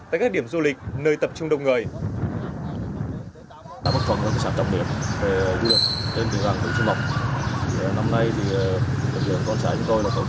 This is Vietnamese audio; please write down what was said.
tại các điểm du lịch nơi tập trung đông người